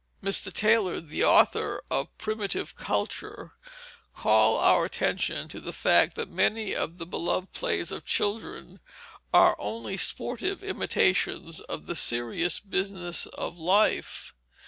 [Illustration: Playing Marbles] Mr. Tylor, the author of Primitive Culture, call our attention to the fact that many of the beloved plays of children are only sportive imitations of the serious business of life.